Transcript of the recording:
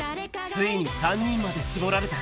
ついに３人まで絞られた。